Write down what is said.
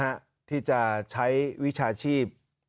นั่นคือความฝันของเขาใช่